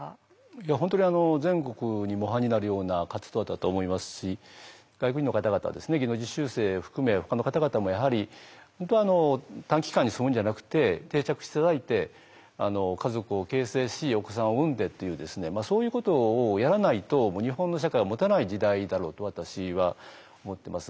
いや本当に全国に模範になるような活動だと思いますし外国人の方々はですね技能実習生含めほかの方々もやはり本当は短期間に住むんじゃなくて定着して頂いて家族を形成しお子さんを産んでというそういうことをやらないと日本の社会はもたない時代だろうと私は思ってます。